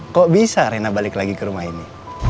kok bisa rena balik lagi ke rumah ini